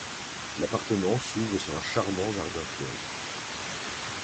L’appartement s’ouvre sur un charmant jardin fleuri.